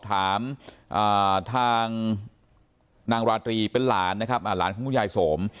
ถามทางนางราตรีเป็นหลานนะครับหลานของคุณยายสม